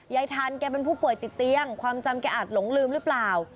ทันแกเป็นผู้ป่วยติดเตียงความจำแกอาจหลงลืมหรือเปล่า